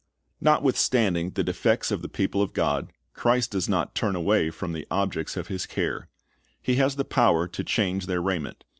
Notwithstanding the defects of the people of God, Christ does not turn away from the objects of His care. He has the power to change their raiment.